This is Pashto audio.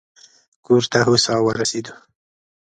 کور ته هوسا ورسېدو.